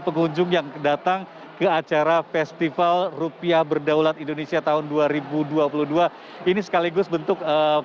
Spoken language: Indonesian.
pengunjung yang datang ke acara festival rupiah berdaulat indonesia tahun dua ribu dua puluh dua ini sekaligus bentuk